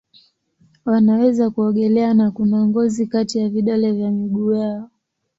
Wanaweza kuogelea na kuna ngozi kati ya vidole vya miguu yao.